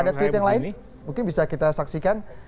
ada tweet yang lain mungkin bisa kita saksikan